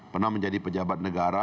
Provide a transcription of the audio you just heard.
pernah menjadi pejabat negara